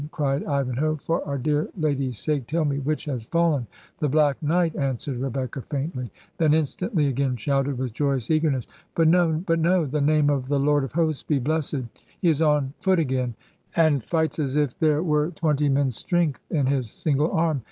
cried Ivanhoe. 'For our dear Lady's sake, tell me which has fallen/ 'The Black Knight/ answered Rebecca faintly; then instantly again shouted with joyful eagerness — ^'But no I — ^but no I — ^the name of the Lord of Hosts be blessed !— he is on foot again, and fights as if there were twenty men's strength in his single arm.